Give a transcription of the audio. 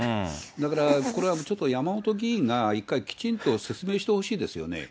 だからこれはちょっと山本議員が一回きちんと説明してほしいですよね。